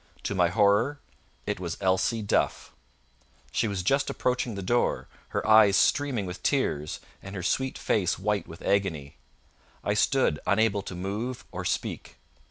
To my horror it was Elsie Duff! She was just approaching the door, her eyes streaming with tears, and her sweet face white with agony. I stood unable to move or speak.